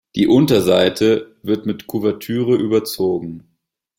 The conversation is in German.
Die Unterseite wird mit Kuvertüre überzogen.